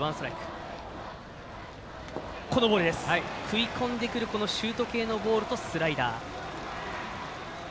食い込んでくるシュート系のボールとスライダー。